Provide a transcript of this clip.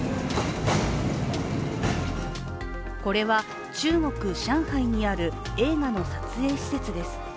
これは、中国・上海にある映画の撮影施設です。